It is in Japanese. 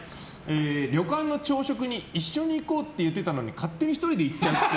旅館の朝食に一緒に行こうって言ってたのに勝手に１人で行っちゃうっぽい。